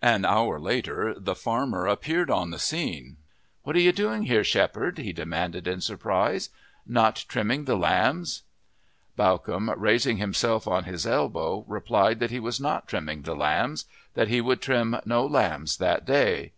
An hour later the fanner appeared on the scene. "What are you doing here, shepherd?" he demanded in surprise. "Not trimming the lambs!" Bawcombe, raising himself on his elbow, replied that he was not trimming the lambs that he would trim no lambs that day.